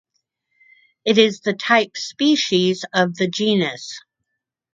It is the type species of the genus.